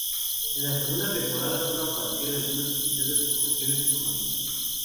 En la segunda temporada sólo apareció en algunos episodios por cuestiones económicas.